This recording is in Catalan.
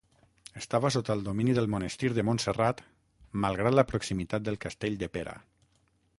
Estava sota el domini del monestir de Montserrat malgrat la proximitat del castell de Pera.